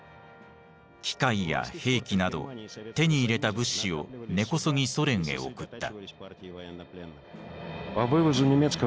機械や兵器など手に入れた物資を根こそぎソ連へ送った。